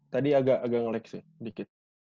tadi agak ngelag sih sedikit